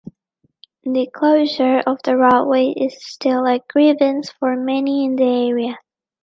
The closure of the railway is still a grievance for many in the area.